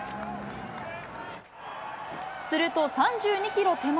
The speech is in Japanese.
すると、３２キロ手前、